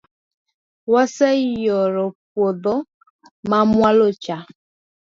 waseyoro puodho ma mwalo cha